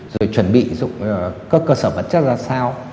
rồi chuẩn bị các cơ sở vật chất ra sao